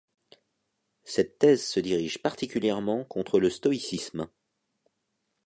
Cette thèse se dirige particulièrement contre le stoïcisme.